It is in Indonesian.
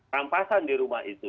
rampasan di rumah itu